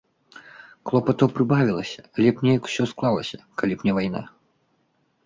Клопатаў прыбавілася, але б неяк усё склалася, калі б не вайна.